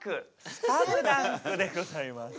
スパムダンクでございます。